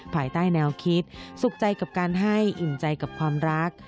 ภายใต้แนวคิดสุขใจกับการให้อิ่มใจกับความรัก